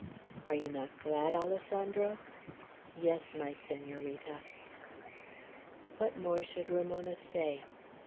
"Are you not glad, Alessandro?" "Yes, my Senorita." What more should Ramona say?